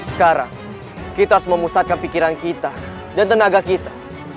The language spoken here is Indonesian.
sekarang kita harus memusatkan pikiran kita dan tenaga kita